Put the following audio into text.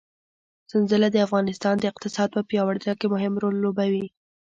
سنځله د افغانستان د اقتصاد په پیاوړتیا کې مهم رول لوبوي.